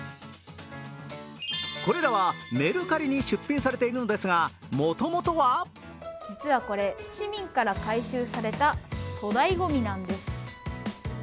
これらはメルカリに出品されているのですが、もともとは実はこれ市民から回収された粗大ごみなんです。